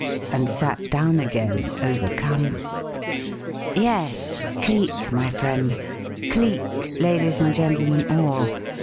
And sat down again, overcome. "Yes, Cleek, my friend; Cleek, ladies and gentlemen all.